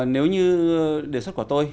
nếu như đề xuất của tôi